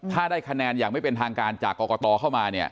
ถ้าได้คะแนนอย่างไม่เป็นทางการจากกรกตเข้ามาเนี่ย